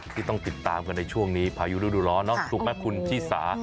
ที่ต้องติดตามกันในช่วงนี้พายุฤดูร้อนเนาะถูกไหมคุณชิสา